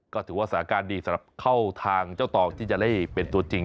ก็ถือว่าสถานการณ์ดีสำหรับเข้าทางเจ้าตองที่จะได้เป็นตัวจริง